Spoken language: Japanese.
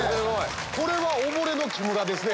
これは溺れの木村ですね。